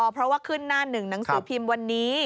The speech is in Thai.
เพราะว่าขึ้นหน้าหนึ่งหนังสือพิมพ์วันนี้